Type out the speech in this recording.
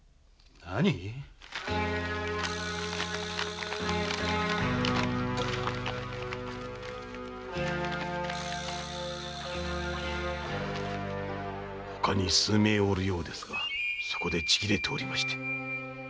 何⁉他に数名おるようですがそこでちぎれておりまして。